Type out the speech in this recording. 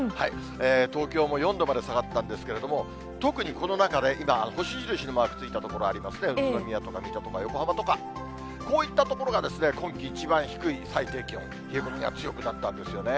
東京も４度まで下がったんですけれども、特にこの中で今、星印のマーク付いた所ありますね、宇都宮とか、水戸とか、横浜とか、こういった所が今季一番低い最低気温、冷え込みが強くなったんですよね。